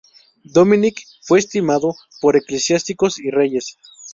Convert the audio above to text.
Dominici fue estimado por eclesiásticos y reyes.